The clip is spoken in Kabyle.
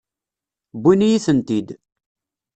Wwin-iyi-tent-id.